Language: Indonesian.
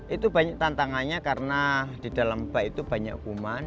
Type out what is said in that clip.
itu banyak tantangannya karena di dalam bak itu banyak kuman